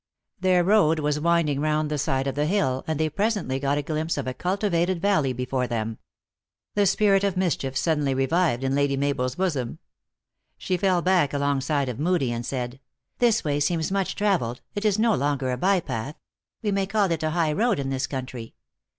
Their road was winding round the side of the hill, and they presently got a glimpse of a cultivated val ley before them. The spirit of mischief suddenly re vived in Lady Mabel s bosom. She fell back alongside of Moodie, and said :" This way seems much travel ed. It is no longer a by path ; we may call it a high road in this country.